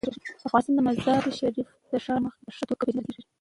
افغانستان د مزارشریف د ښار له مخې په ښه توګه پېژندل کېږي.